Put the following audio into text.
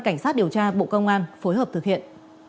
cảnh sát điều tra bộ công an phối hợp thực hiện